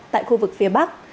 tại khu vực phía bắc